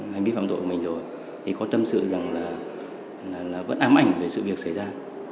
hành vi phạm tội của mình rồi thì có tâm sự rằng là vẫn ám ảnh về sự việc xảy ra